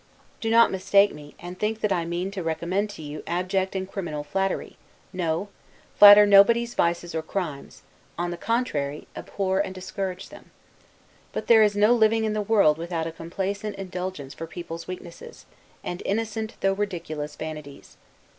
Do not mistake me, and think that I mean to recommend to you abject and criminal flattery: no; flatter nobody's vices or crimes: on the contrary, abhor and discourage them. But there is no living in the world without a complaisant indulgence for people's weaknesses, and innocent, though ridiculous vanities.